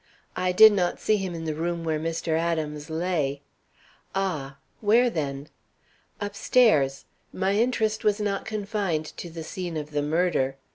"I did not see him in the room where Mr. Adams lay." "Ah! Where, then?" "Upstairs. My interest was not confined to the scene of the murder.